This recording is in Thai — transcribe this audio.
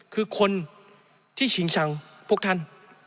คือคนที่ชิงชังพวกท่าน